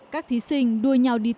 các thí sinh đuôi nhau đi tìm